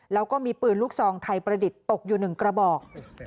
แล้วก็มีปืนลูกซองไทยประดิษฐ์ตกอยู่๑กระบอก